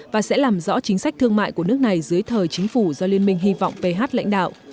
và sẽ làm rõ chính sách thương mại của nước này dưới thời chính phủ do liên minh hy vọng ph lãnh đạo